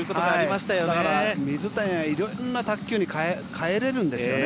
水谷はいろんな卓球に変えれるんですよね。